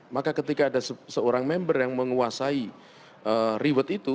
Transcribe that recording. maka ketika ada seorang member yang menguasai reward itu